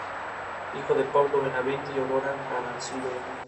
Los procesos modernos de vulcanización utilizan de forma común los aceleradores.